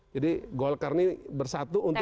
jadi golkar ini bersatu untuk